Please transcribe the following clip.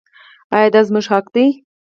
آیا دا زموږ حق دی؟